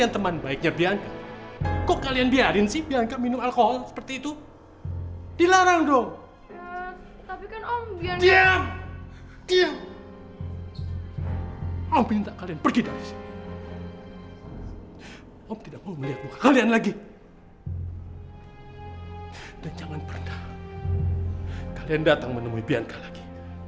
dan jangan pernah kalian datang menemui bianca lagi